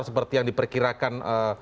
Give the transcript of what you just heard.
seperti yang diperkirakan